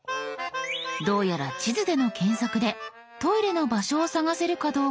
どうやら地図での検索でトイレの場所を探せるかどうかに興味があるようです。